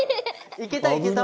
いけたいけた！